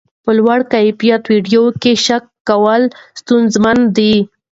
په لوړ کیفیت ویډیو کې شک کول ستونزمن دي.